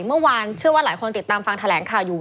เมื่อวานเชื่อว่าหลายคนติดตามฟังแถลงข่าวอยู่